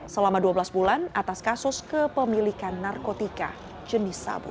selama dua belas bulan atas kasus kepemilikan narkotika jenis sabu